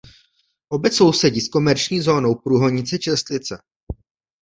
Obec sousedí s komerční zónou Průhonice–Čestlice.